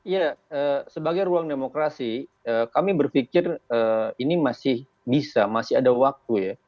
ya sebagai ruang demokrasi kami berpikir ini masih bisa masih ada waktu ya